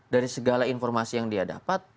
dari segala informasi yang dia dapat